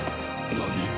何？